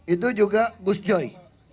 itu juga gusjoy